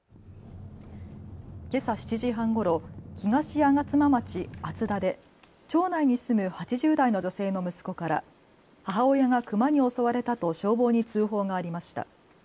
けさ７時半ごろ、東吾妻町厚田で町内に住む８０代の女性の息子から母親がクマに襲われたと消防に通報がありました。